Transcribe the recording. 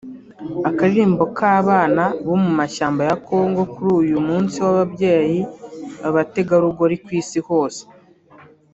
Akaririmbo k’abana bo mu mashyamba ya Kongo kuri uyu munsi w’ababyeyi b’abategarugori ku isi hose